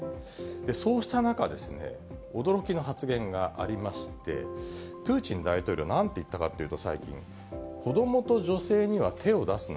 そうした中、驚きの発言がありまして、プーチン大統領、なんて言ったかというと、最近、子どもと女性には手を出すな。